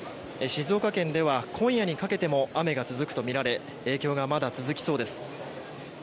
静岡県では今夜にかけても雨が続くとみられ影響がまだ続きそうです。